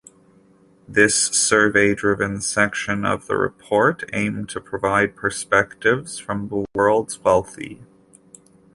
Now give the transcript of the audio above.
This survey-driven section of the report aimed to provide perspectives from the world's wealthy.